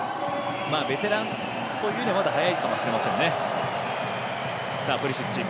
ベテランというにはまだ早いかもしれませんね。